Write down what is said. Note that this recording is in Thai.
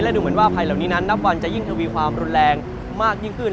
ดูเหมือนว่าภัยเหล่านี้นั้นนับวันจะยิ่งทวีความรุนแรงมากยิ่งขึ้น